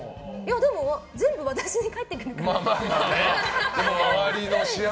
でも、全部私に返ってくるから。